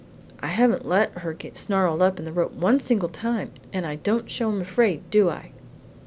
I haven't let her get snarled up in the rope one single time, and I don't show I'm afraid, do I?"